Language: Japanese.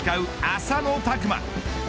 浅野拓磨。